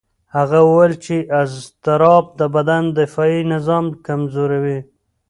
هغه وویل چې اضطراب د بدن دفاعي نظام کمزوي.